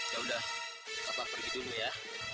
yaudah bapak pergi dulu ya